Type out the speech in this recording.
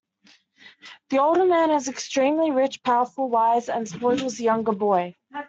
The older man is extremely rich, powerful, wise, and spoils the younger boy.